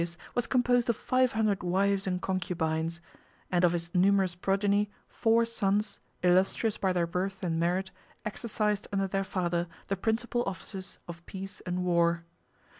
] The harem of Zingis was composed of five hundred wives and concubines; and of his numerous progeny, four sons, illustrious by their birth and merit, exercised under their father the principal offices of peace and war.